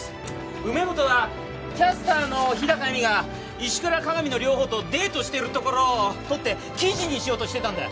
梅本はキャスターの日高絵美が石倉加賀見の両方とデートしてるところを撮って記事にしようとしてたんだよ。